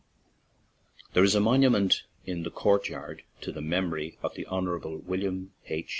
There is a monument in the churchyard to the memory of the Hon. William H.